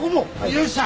よっしゃ！